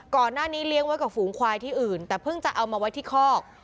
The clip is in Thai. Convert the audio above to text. ก่อนหน้านี้เลี้ยงไว้กับฝูงควายที่อื่นแต่เพิ่งจะเอามาไว้ที่คอก